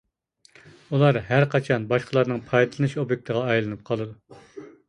ئۇلار ھەرقاچان باشقىلارنىڭ پايدىلىنىش ئوبيېكتىغا ئايلىنىپ قالىدۇ.